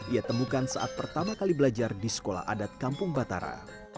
ia temukan saat pertama kali belajar di sekolah adat kampung batara